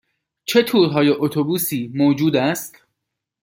چه تورهای اتوبوسی موجود است؟